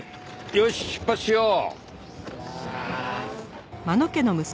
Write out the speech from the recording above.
よし出発しよう。